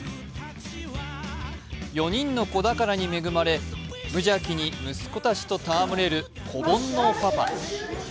４人の子宝に恵まれ、無邪気に息子たちとたわむれる子煩悩パパ。